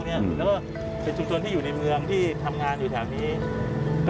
จะมีชุดที่อยู่ในเมืองทำงานแถวนี้